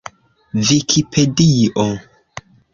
vikipedio